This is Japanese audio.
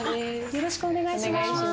よろしくお願いします。